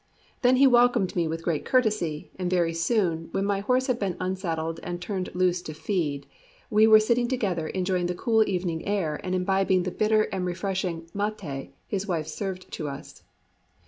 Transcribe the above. Then he welcomed me with great courtesy, and very soon, when my horse had been unsaddled and turned loose to feed, we were sitting together enjoying the cool evening air and imbibing the bitter and refreshing maté his wife served to us.